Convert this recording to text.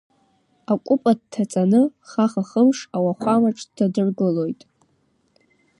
Акәыпа дҭаҵаны хаха-хымыш ауахәамаҿ дҭадыргылоит.